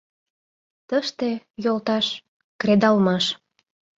Тыште, йолташ, кредалмаш».